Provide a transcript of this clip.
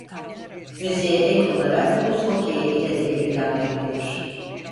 Müziğe ek olarak buz hokeyi ile de ilgilenmektedir.